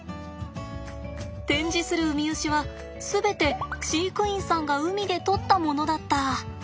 展示するウミウシは全て飼育員さんが海で採ったものだった！